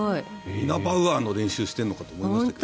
イナバウアーの練習をしているのかと思いましたけど。